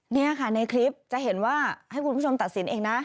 นี่ค่ะในคลิปจะเห็นว่าให้คุณผู้ชมตัดสินเองนะ